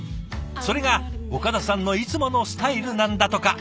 それが岡田さんのいつものスタイルなんだとか。